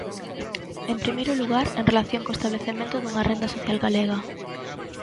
En primeiro lugar, en relación co establecemento dunha renda social galega.